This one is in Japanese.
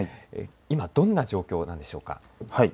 今どんな状況なんでしょうか。